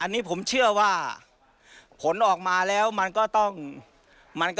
นะมันมัน